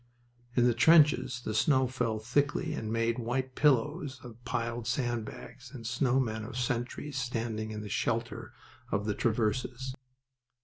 In the trenches the snow fell thickly and made white pillows of the piled sand bags and snow men of sentries standing in the shelter of the traverses.